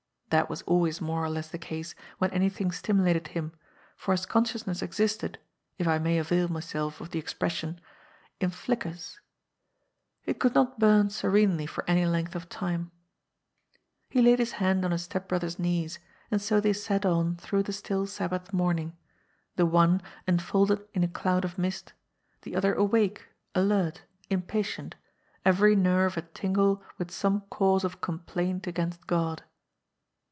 That was always more or less the case when anything stimulated him, for Jiis con HEKDBIK LOSSELL'S FIRST STEP. §29 sciousness existed — if I may avail myself of the expression — in flickers. It could not bum serenely for any length of time. He laid his hand on his step brother's knees, and so they sat on through the still Sabbath morning, the one, enfolded in a cloud of mist, the other awake, alert, impatient, every nerve a tingle with some cause of complaint against God.